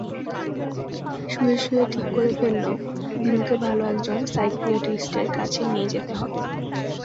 শুয়ে-শুয়ে ঠিক করে ফেলল, দিনুকে ভাল একজন সাইকিয়াট্রিস্ট্রের কাছে নিয়ে যেতে হবে।